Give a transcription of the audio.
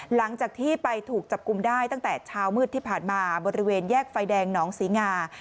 หลังจากที่ไปถูกจับกลุ่มได้ตั้งแต่เช้ามืดที่ผ่านมาบริเวณแยกไฟแดงหนองศรีงา